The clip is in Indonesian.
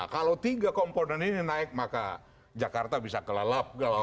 kalau tiga komponen ini naik maka jakarta bisa kelelap